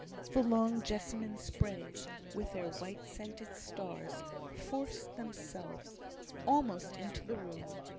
The long jessamine sprays, with their white scented stars, forced themselves almost into the room.